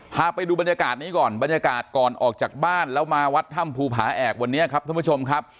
พาไปดูบรรยากาศนี้ก่อนบรรยากาศก่อนออกจากบ้านแล้วมาวัดถ้ำภูผาแอกวันนี้ครับท่านผู้ชมครับ